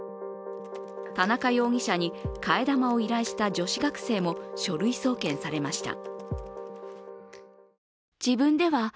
田中容疑者に替え玉を依頼した女子学生も書類送検されました。